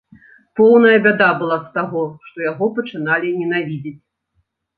Поўная бяда была з таго, што яго пачыналі ненавідзець.